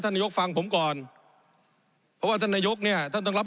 ผมอภิปรายเรื่องการขยายสมภาษณ์รถไฟฟ้าสายสีเขียวนะครับ